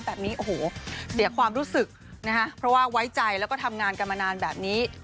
แบบนี้โอ้โหเสียความรู้สึกนะฮะเพราะว่าไว้ใจแล้วก็ทำงานกันมานานแบบนี้